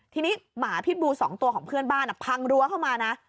ทีนี้หมาพิษบู๒ตัวของเพื่อนบ้านพังรั้วเข้ามานะ